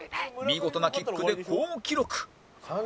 見事なキックで好記録